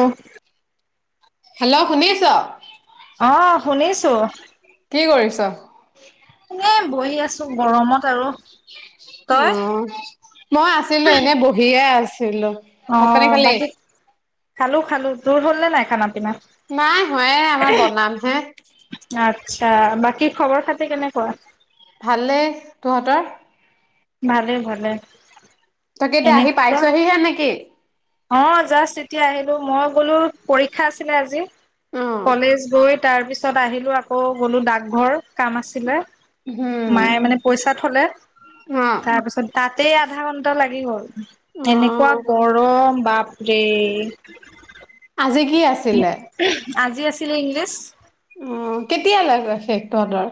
অহ hello শুনি আছ। অ শুনিছো। কি কৰিছ? এ বহি আছো গৰমত আৰু। তই উম্। মই আছিলো এনে বহিয়ে আছিলো। অ ভাত পানী খালি? বাকী খালো খালো তোৰ হ'ল নাই খানা পিনা? নাই হোৱা এ আমাৰ বনামহে। আচ্ছা বাকী খবৰ খাতি কেনেকুৱা। ভালে। তহঁতৰ? ভালে, ভালে। তাকে এতিয়া আহি এনেকুৱা পাইছহিহে নেকি? অ জাষ্ট এতিয়া আহিলো মই বোলো পৰীক্ষা আছিলে আজি উম কলেজ গৈ তাৰ পিছত ত পিছত আহিলো আকৌ গ'লো ডাকঘৰ কাম আছিলে মায়ে মানে পইচা থলে, অ। তাৰপিছত তাত এ আধা ঘণ্টা লাগি গ'ল। এনেকুৱা গৰম। বাপৰেই। আজি কি উ, আছিলে? আজি আছিলে ইংলিছ। অ' কেতিয়া লাগে শেষ তই।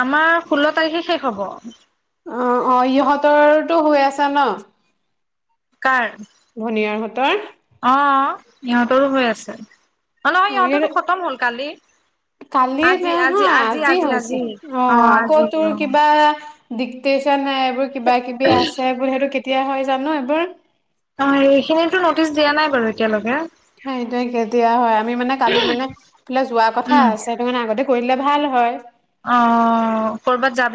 আমাৰ ষোল্ল তাৰিখে শেষ হব। অ-অ, ইহঁতৰতো হৈ আছা ন? কাৰ? ভনিয়ে হঁতৰ। অ', সিহঁতৰো হৈ আছে। নহয় সিহঁতৰ খতম হ'ল কালি। কালি নহয় আজি হৈছে অ', আকৌ তোৰ কিবা ডিক্টেশচন হ এইবোৰ কিবা কিবি আছে বুলি সেইটো কেতিয়াই হয়। জানো এবাৰ অ এইখিনিতো নটিচ দিয়া নাই বাৰু এতিয়ালৈকে সেইটোৱে কেতিয়া হয় আমি মানে কালি মানে সেইফালে যোৱা কথা উম আছে সেইটো মানে আগতে কৰিলে ভাল হয় অ ক'ৰবাত যা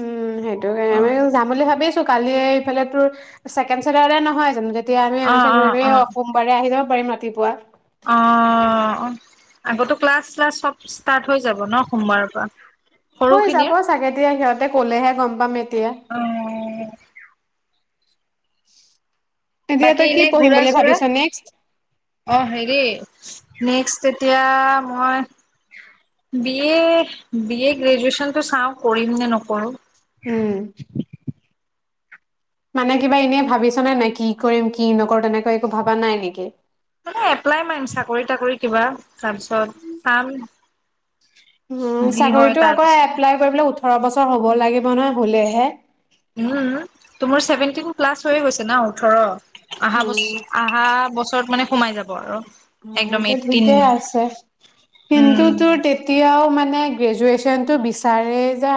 উম সেইটো কাৰণে আ যাম বুলি ভাবিছোঁ কালি এইফালে তোৰ ছেকেণ্ড চাটাৰডে নহয় জানো তেতিয়া আমি অ আহ অ ঘূৰি অ সোমবাৰে আহ যাব পাৰিম ৰাতিপুৱা অ আগতো ক্লাছ শ্লাচ চব। ষ্টাৰ্ট হৈ যাব ন সোমবাৰৰ পৰা হৈ যাব সৰুখিনিৰ চাগে দিয়া সিহঁতে ক'লেহে গম পাম এতিয়া অ এতিয়া বাকী তই কি এনে পঢ়িম ঘুৰা বুলি চুৰা ভাবিছ নেক্সট অ হেৰি নেক্স এতিয়া মই উ [inaudible] বি এ বি এ গ্ৰেজুয়েচনটো চাও কৰিম নে নকৰোঁ উম মানে কিবা এনেই ভাবিছনে নাই কি কৰিম কি নকৰো তেনেকৈ একো ভবা নাই নেকি ম এপ্লাই মাৰিম, চাকৰি তাকৰি কিবা, তাৰপিছত কাম চাকৰিতটো আকৌ এপ্লাই কৰিব উ ওঠৰ বছৰ হ'ব লাগিব নহয়, হলেহে উম, তোমাৰ চছেভেনটন প্লাছ হৈয়ে গৈছে ন। ওঠৰ, অহা বছৰ অহা বছৰত মানে সোমাই যাব আৰু। একদম অটো এইটিন ঠিকেই আছে, কিন্তু উম তোৰ তেতিয়াও মানে মে গ্ৰেজুৱেচন টো বিচাৰে যে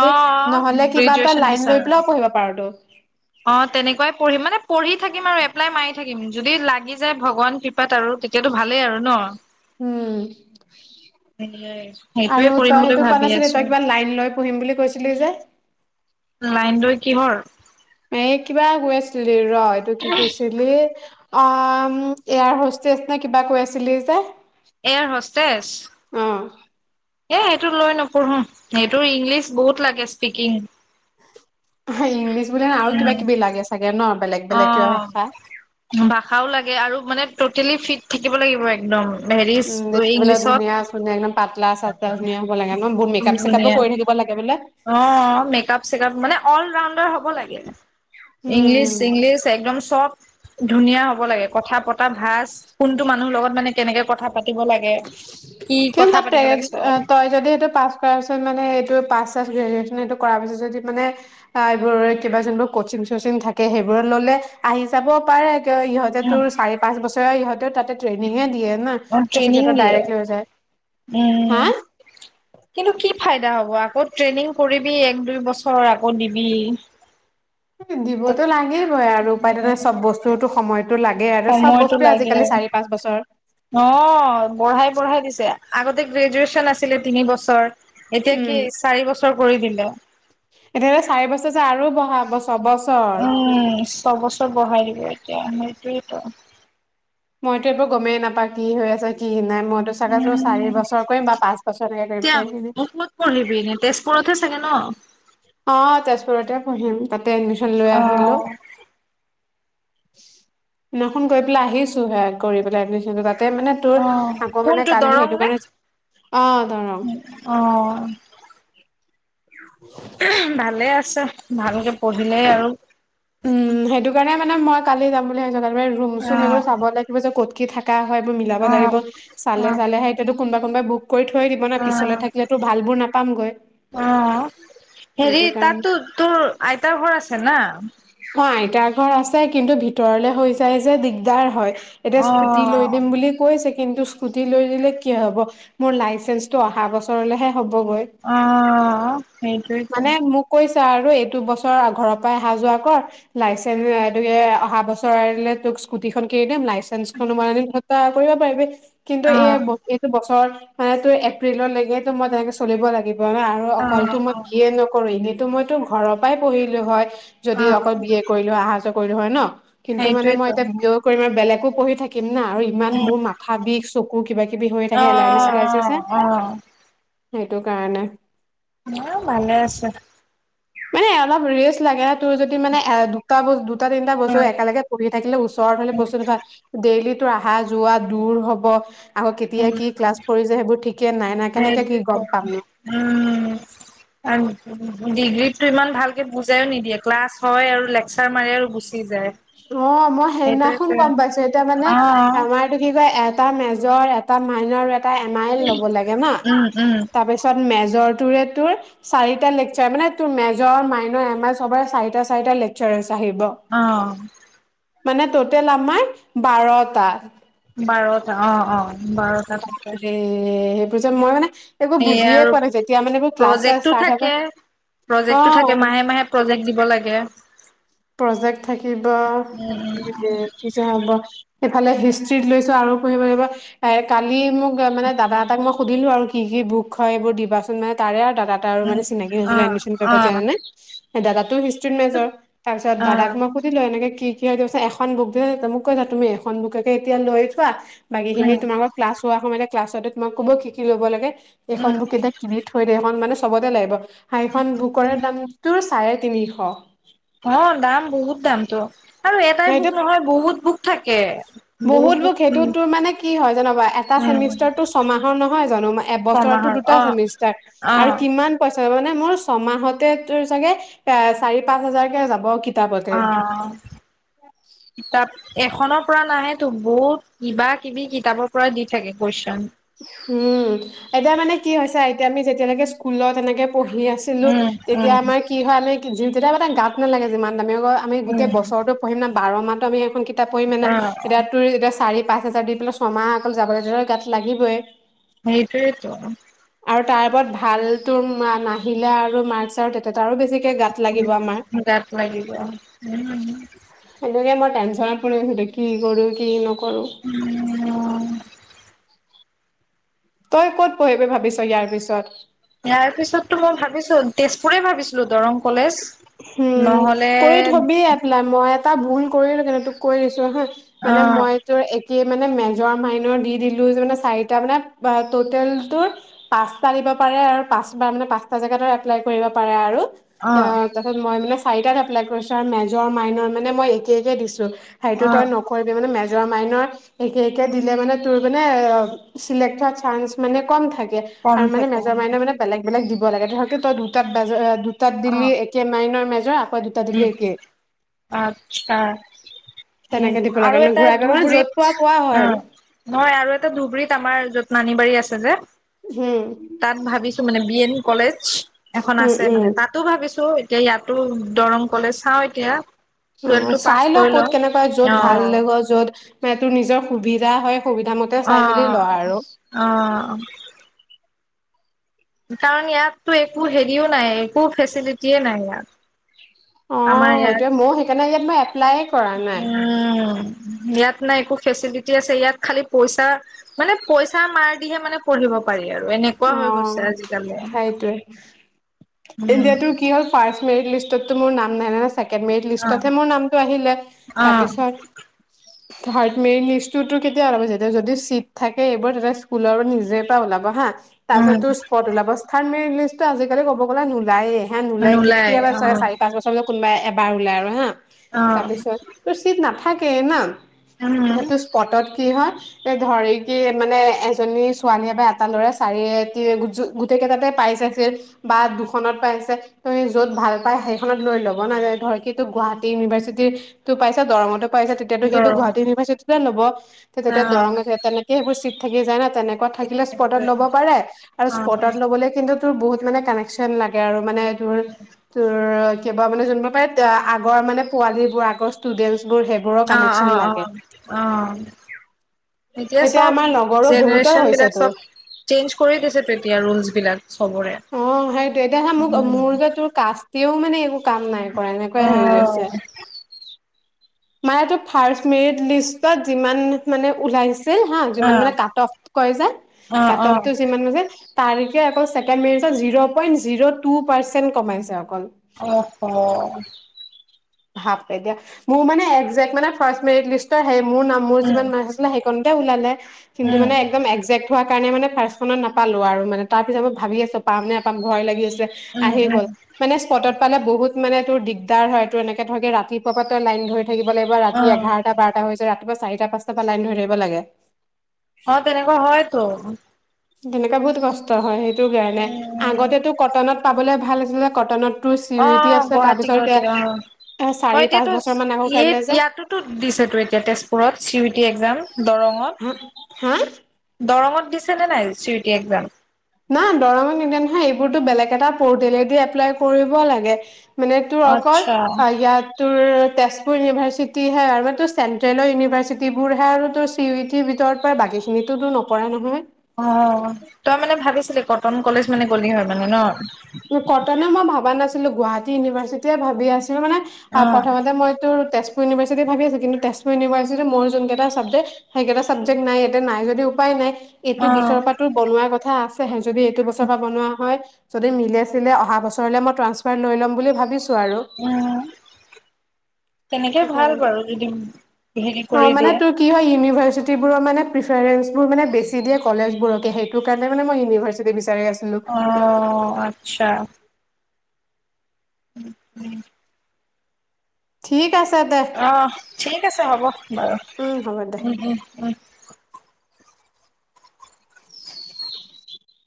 অ নহলে কিবা এটা গ্ৰেজুৱেচন লাইন লৈ বিচাৰো পেলাইও পঢ়িব পাৰোতো অ তেনেকুৱাই পঢ়িম মানে পঢ়ি থাকিম আৰু এপ্লাই মাৰি থাকিম, যদি লাগি যায় ভগৱান কৃপাত আৰু, তেতিয়াতো ভালেই আৰু ন। উম। সেইটোয়ে আৰু কৰিম তই বুলি সেইটো কোৱা ভাবি নাছিলি, আছো তই কিবা লাইন লৈ পুম বুলি কৈছিলি যে? লাইনটো কিহৰ? ম এই কিবা গৈ আছিলো ৰ এইটো কি কৈছিলি অ এয়াৰ হোষ্টেচ নে কিবা কৈ আছিলি যে? এয়াৰ হষ্টেছ অ'। এ সেইটো লৈ নপঢ়ো সেইটোৰ ইংলিছ বহুত লাগে স্পিকিং হ ইংলিছ বুলি নহয় আৰু কিবা উম কিবি লাগে চাগে ন বেলেগ অ বেলেগ কিবা ভাষা ভাষাও লাগে আৰু মানে ট'টেলি ফিট থাকিব লাগিব একদম হেৰি উম দেখি বোলে ইংলিছত ধুনীয়া ধুনীয়া একদম পাতলা চাতলা ধুনীয়া হব লাগে ন বহুত মেকপ চেকাপো ধুনীয়া কৰি থাকিব লাগে বোলে? অ মেকআপ চেকআপ মানে অল ৰাউণ্ডাৰ হ'ব লাগে ইংলিছ উম ইংগলিছ একদম চফ্ট ধুনীয়া হ'ব লাগে কথা পতা ভাজ কোনটো মানুহৰ লগত মানে কেনেকে কথা পা কিন্তু তাতে গ লাগে চব তই যদি সেইটো পাছ কৰা পছত মানে এইটো পাছ চাচ গ্ৰেজো টো কৰা পিছত যদি মানে অ এইবোৰৰে কিবা যোনিবোৰ কচিং চচিং থাকে সেইবোৰ ললে আহি যাব পাৰে। ইহঁতে উম। তোৰ চাৰি পাঁচ বছৰে ইহঁতে তাত ট্ৰেনিংহে দিয়ে। নাহ ট্ৰেনিং দিয়ে হা উম কিন্তু কি। ফাইদা হ'ব আকৌ ট্ৰেইনিং কৰিবি এক দুই বছৰ আকৌ দিবি। তাত দিবতো লাগিলিবই আৰু উপায় তেনে চব বস্তুতটো সময়তো লাগে আৰু চব সময়টো বস্তুৱে লাগে আজিকালি চাৰি পাঁচ বছৰ। অ বঢ়াই বঢ়াই দিছে আগতে গ্ৰেজুৱেচন আছিলে তিনি বছৰ। এতিয়া কি চাৰি বছৰ। কৰি দিলে। এতিয়াহলে চাৰি বছৰ যে আৰু বহা বছৰ। উম ছবছৰ বঢ়াই দিব। মট। মইতো এইবোৰ গমেই নাপা কি হৈ আছ কি নাই। মইতো চাগে জোৰ চাৰি উম বছৰ কৰিম বা পাঁচ বছৰলৈকে কৰিম এতিয়া সেইখিনি। ক'ত পঢ়িবি এনে তেজপুৰতহে চাগে ন। অ তেজপুৰতে পঢ়িম তাত। এডমিশন লৈ অ আহিলো। দিনাখন গৈ পেলাই আহিছো হে কৰি পেলাই এডমিশন তাত। ত মানে তোৰ অ আকৌ মানে কোনটো কালি দৰং সেইটো নে কাৰণে আহ ধৰ। অ ভালে আছোঁ ছে ভালকে পঢ়িলে আৰু উম সেইটো কাৰণে মানে মই কালি যাম বুলি ভাবিছোঁ ৰুম চুম এইবোৰ অ', চাব লাগিব যে ক'ত কি থাকে হয় এইবোৰ মিলাব লাগিব অ', চালে চালেহে এতিয়াতো কোনোবা কোনোবাই বুক কৰি থৈ দিব না অ', পিছলে থাকিলেতো ভালবোৰ নাপামগৈ অ', হেৰি সেইটো কাৰণে তাতো তোৰ আইতাৰ ঘৰ আছে না? অ আইতাৰ ঘৰ আছে, কিন্তু ভিতৰলে হৈ যায় যে দিগদাৰ হয় এতিয়া স্কুটি লৈ অ', দিম বুলি কৈছে কিন্তু স্কুটি লৈ দিলে কি হব মোৰ লাইচেন্সটো অহা বছৰলৈহে অ সেইটেইটো মানে মোক কৈছা আৰু এইটো বছৰ ঘৰৰ পৰাই অহা যোৱা কৰ লাইচেন্স অহাবছৰ লাগিলে তোক স্কুটি খন কিনি দিম মানিন ঘ [unintelligible] কৰিব পাৰিবি কিন্তু এই অ', এইটো বছৰত মানে তো এপ্ৰিললৈকে তো মই তেনেকে চলিব লাগিব। আৰু অকলটো অ', মই অ', যিয়ে নকৰো এনে কিন্তু মইতো ঘৰৰ পৰাই পঢ়িলোঁ হয় যদি অ', অকল বি এ কৰিলো অহা যোৱা কৰিলো হয় ন কিন্তু মানে মই সেইটোৱেতো এতিয়া বিয় কৰিম আৰু বেলেগো পঢ়ি থাকে। থাকিম ন আৰু ইমান মোৰ মাথা বিষ চকু কিবা কিবি হৈ থাকে এলাৰ্জি অ', চেলাৰ্জি যে অ', অ', সেইটো কাৰণে হ ভালে আছে মানে অলপ ৰেচ লাগে তোৰ যদি মানে এ দুটা বু দুটা তিনিটা বছৰে উম, একেলগে পঢ়ি থাকিলে ওচৰত হলে বস্তুটো ভাল ডেইলি অহা যোৱা দূৰ হব আকৌ কেতিয়া উম, কি ক্লাছ পঢ়িছে সেইবোৰ ঠিকে নাই নাই কেনেকে কি সেইটোৱেতো গম পামনো উম, ডিগ্ৰীতটো ইমান ভালকে বুজাইও নিদিয়ে ক্লাছ হয় আৰু লেকচাৰ মাৰে আৰু গুচি যায়। অ মই সেইদিনাখন সেইটোৱেতো গম পাইছো এতিয়া মানে অ', আমাৰতটো কি কয় এটা মেজৰ এটা মাইনৰ এ এটা এমাইল লব লাগে ন, উম, উম, তাৰপিছত মেজ। এটোৱেই এটোৱেই, চাৰিটা লেকচাৰ মানে ত মেজৰ মাইন আমাৰ চবৰ চাৰিটা চাৰিটা লেকচাৰ আহিছে। অহ। মানে ট'টেল আমাৰ বাৰটা। বাৰত। অ, অ বাৰটা থাকেহ তাপাছত মই মানে। একো বুজিয়ে পোৱা নাই, যেতিয়া মানে মই এই ক্লাছৰ প্ৰজেক্টটো ষ্টাৰ্ট হব। থাকে অ প্ৰজেক্টটো থাকে মাহে মাহে প্ৰজেক প্ৰজেক্ট থাকিব দিব লাগে। প্ৰজেক থাকিব উম, তাপিছত। সেফালে হিষ্ট্ৰ্ৰীত লৈছো, আৰু পঢ়িব লাগিব। এ কালি মোক মানে দাদা এটাক মই সুধিলো আৰু কি কি বুক হয় এইবোৰ দিবাচোন মানে তাৰে। দাদা তা আৰু উম, মানে উম, চিনাকি হৈছিলো অ', এডমিচন কৰিব অ', যাওতে। হে দাদাতো। যাই তাৰ পিছত দাদাক অ', মই সুধিলো, এনেক কি। কি কৈছে এখন বুক যে মোক কৈছা তুমি এখন বুককে এতিয়া লৈ থোৱা। বাকী উম, খিনিত। তোমাক ক্লাছ হোৱাৰ সময়তে। ক্লাছতে তোমাক ক'ব কি কি ল'ব লাগে। উম, এইখন বুক এতিয়া কিনি থৈ দে এখন মানে চবতে লাগিব হাইখন বুকৰে দামটোৰ চাৰে তিনিশ অ দাম বহুত দাম ত আৰু এটাই বুক নহয় বহুত বুক থাকে বহুত বুক বহুতলোক সেইটো উম, তোৰ মানে কি হয় জানা এটা উম, চেমিষ্টাৰতো ছমাহৰ নহয় জানো এবছৰতো ছমাহৰ দুটা অ', চেমিষ্টাৰ আৰু অ', কিমান পইচা মানে মোৰ ছমাহতে তোৰ চাগে এ চাৰি পাঁচ হাজাৰকে যাব। কিতাপতে অ ত এক এখনৰ পৰা নাহে তো বহুত কিবা কিবি কিতাপৰ পৰা দি থাকে কোৱেশন উম এতিয়া মানে কি হৈছে এতিয়া আমি যেতিয়ালৈকে স্কুলত এনেকে পঢ়ি আছিলো উম, তেতিয়া উম, আমাৰ কি হয় আমি যি তেতিয়া মানে গাত নালাগে যিমান মানে আমি গোটেই উম, বছৰতো পঢ়িম ন বাৰ মাহটো আমি এখন কি এটা পৰিমান না অ', এতিয়া তোৰ এতিয়া চাৰি। পাঁচ হাজাৰ দি পেলাই ছমাহ অকল [unintelligible] যাবলৈ গ। লাগিবই। সেইটোৱে টো আৰু তাৰ ওপৰত ভাল তো না নাহিলে আৰু মাৰ্ক্সৰ তে উম গাত লাগিব উম সেইটোৱে সোধে কি কৰিব লাগিব কি নকৰো উম তই ক'ত পঢ়িবি ভাবিছ ইয়াৰ পিছত ইয়াৰ পিছতো মই ভাবিছো তেজপুৰে ভাবিছিলো দৰং কলেজ হম নহ'লে কৰি থবি আ পেলেম বোৰত এটা ভুল কৰিলো কেনে তোক কৈ দিছো হা অ মানে মই তোৰ একেই মানে মেজৰ মাইনৰ দি দিলো চাৰিটা মানে টোতেলটো পাচটা দিব পাৰে আৰু পাঁচবাৰ মানে পাচটা জেগাত এপ্লাই কৰিব পাৰে আৰু অ তাৰপিছত মই মানে চাৰিটাত এপ্লাই কৰিছোঁ আৰু মেজৰ মাইনৰ মানে মই একে একে দিছোঁ সেইটো অ তই নকৰিবি মানে মেজ মেজৰ মাইনৰ এতি এতিয়া দিলে মানে তোৰ মানে চেলেক হোৱা চানস মানে কম থাকে। কম আৰু মানে থাকে মেজৰ মাইনাৰ মানে বেলেগ বেলেগ। থাকিব লাগে ধৰ তই দুটাত বজাত। দিল্লী একে মাইনৰ মে যোৱা উ আচ্ছা উ তেনেকে দিব লাগে আৰু মানে এটা ঘূৰাই পেলাই মানে য'ত ধুবুৰীত পোৱা পোৱা হয় উ আৰু নহয় আৰু এটা ধুবুৰীত আমাৰ যতনানী বাৰী আছে যে। উম তাত ভাবিছো মানে বিয়েন কলেজ এখন উম আছে উম মানে তাতো ভাবিছো এ ইয়াতো দৰং কলেজ চাওঁ এতিয়া উ টুৱেলভটো পাছ চাই লও কৰি ক'ত লওঁ কেনেকুৱাই য'ত ভাল অ লাগিব য'ত মতেটোৰ নিজৰ সুবিধা হয় সুবিধা মতে চাই মেলি অ', লোৱা আৰু অ', কাৰণ ইয়াতো একো হেৰিও নাই একো ফেচিলিটিয়ে নাই ইয়াত। অ আমাৰ ইয়াত সেইটোৱে মই সেইকাৰণে ইয়াত মই এপ্লাইে কৰা নাই উম, ইয়াত নাই একো ফেচিলিটি আছে ইয়াত খালি পইচা মানে পইচাৰ মাৰ দিহে মানে পঢ়িব পাৰি আৰু আৰু এনেকুৱা অ হৈ গৈছে আজিকালি উম, এতিয়া টো কি হয় ফাৰ্ষ্ট মেৰিট লিষ্ট ততটো মোৰ নাম নাই ন মেৰিট অ', লিষ্টতে মোৰ নাম টো আহিলে অ', তাৰপাছত থাৰ্ড মেৰি নিজটোতো কেতিয়া ওলাব যেতিয়া যদি চিট থাকে এইবোৰ তেতিয়া স্কুলৰ পৰা নিজৰ এ পৰা ওলাব হা উম, তাৰপাছতো স্পট ওলাব স্থান ইংলিছটো আজিকালি ক'ব গ'লে নোলায়ে হে নোলাই কেতিয়াবা চাৰি পাঁচ বছৰত কোনোবাই। বাৰ ওলাই হা অ', তাৰপিছত তো চিত নাথাকে থাকে না উম, তাতটো স্পটত কি হয় ধৰি কি মানে এজনী ছোৱালীয়ে বা এটা লৰা চাৰি গোটেই কেইটাতে পাইছাইছিল বা দুখনত পাইছে তুমি য'ত ভাল পাই সেইখনত লৈ ল'ব না ধৰ কিটো গুৱাহাটী ইউনিভাৰ্চিটি টো পাইছা দৰঙতো তেতিয়া টো সি টো গৰম গুৱাহাটী ইউনিভাৰ্চিটি টো লব অ', থাকে যাই ন তেনেকুৱা থাকিলে স্পটত অ', ল'ব আৰু স্পটত ল'বলে কিন্তু ত বহুত মানে কানেকশচন লাগে আৰু মানে তোৰ তোৰ কেতিয়াবা মানে জানিব পাৰে আগৰ মানে পোৱালী বোৰ আগৰ ষ্টুডেন্টচ বোৰ সেইবোৰৰ অ অ কানেকচন অ লাগে অ এতিয়া চব আমাৰ লগৰো বহুতৰ জেনেৰে্শন বিলাক হৈছেতো চব চেঞ্ কৰি দিছে তেতিয়া ৰুলচবিলাক অ সেইটো এতিয়া মোক মোৰ যে তোৰ কাষ্ট তেওঁও মানে এইবোৰ কাম নাই কৰা এনেকুৱাই হৈ গৈছে অ', মায় তটো ফাৰ মেৰিট লিষ্টত যিমান মানে ওলাইছে হা যিমান মানে অ', কাট অফ ক য কাট অফ অ', টো যিমান মানে তাৰিখে আকৌ zero point zero two percent কমাই যাওক আহহ ভাব এতিয়া মোৰ মানে এদজেক মানে ফাৰ মেৰিত লিষ্টৰ মোৰ নাম মোৰ উম, যিমান মাছ আছিলে সেইকণ তই ওলালে কিন্তু উম, মানে একদম এক্জেক্ট থোৱা কাৰণে মানে ফাৰ্ষ্খনত নাপালো আৰু মানে তাৰ পিছত মই ভাবি আছো পাম নে পামৰ ভয় লাগি আছে উম, আহি গ'ল উম, মানে স্পটত পালে বহুত মানে তোৰ দিগদাৰ হয় তো এনেকে থাকে ৰাতিপুৱা পৰা তই লাইন ধৰি থাকিব লাগিব ৰাতি অ', এঘাৰটা, বাৰটা হৈ যায় ৰাতি ৰাতিপুৱা চাৰিটা, পাঁচটাৰ পৰা লাইন ধৰি থাকিব লাগে অ তেনেকুৱা হয়তো তেনেকা বহুত কষ্ট হয় সেই টোৰ কাৰণে উম, আগতেটো কটনত পাবলে ভাল আছিলে কটনত তোৰ চি ইউ অ ই টি আছিলে গুৱাহাটী তাৰপিছত গুৱাহাটী অ এ চাৰি হয় পাঁচ এতিয়াতো বছৰ মান আগত উঠাই দিলে যে ইয়াতোতো দিছেতো এতিয়া তেজপুৰত চি ইউ টি একজাম হা দৰঙত হা দৰঙত দিছে নে নাই চি ইউ পিয়ে একজাম না দৰঙত নিদিয়ে নহয় এইবোৰতো বেলেগ এটা পৰ্টেলেদি এপ্লাই কৰিব লাগে মানে তোৰ অকল আচ্ছা, ইয়াত তোৰ তেজপুৰ ইউনিভাৰ্চিটিহে আৰু আমাৰতো চেণ্ট্ৰেলৰ ইউনিভাৰ্চিটিবোৰহে আৰু তোৰ চি ইউ টিৰ ভিতৰত পৰে বাকীখিনিতোতো নপৰে নহয় অ তই মানে ভাবিছিলি কত। কটন কলেজ মানে গলি হয়। মানে ন? কটনে মই ভাবো মই নাছিলো গুৱাহাটী ইউনিভাৰ্চিটিয়ে ভাবি আছিলো মানে অ', প্ৰথমতে মই তো তেজপুৰ তেুৰ ইনিভাৰ্চিট থাকে আছে কিন্তু তেজপুৰ ইউনিভাৰি মোৰ যোন কেইটা ছাবজেক্ সেইকেইটাৰ নাই ইয়া নাই যদি উপায় নাই এইটো বছৰৰ অ', পৰা তোৰ বনোৱাৰ কথা হফে [inaudible] যদি এইটো বছৰ পৰা বনোৱা হয় যদি মিলি আছিলে অহা বছৰলৈ মই ট্ৰান্সফাৰ লৈ লম বুলি ভাবিছো আৰু উম তেনেকে ভাল বাৰু যদি হেৰি অ কৰি মানে দিয়া তোৰ কি হয় মানে প্ৰিফাৰেঞ্চ বোৰ মানে বেছিয়ে কলেজবোৰকে সেইটো কাৰণে মে মই ইউনিভাৰ্চিটি বিচাৰি আ অঁ অঁ আচ্ছা উম উম ঠিক আছে দে অঁ ঠিক আছে হ'ব বাৰু উম হ'ব দে উম উম উম